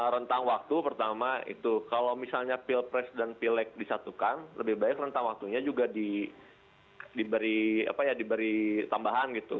rentang waktu pertama itu kalau misalnya pilpres dan pilek disatukan lebih baik rentang waktunya juga diberi tambahan gitu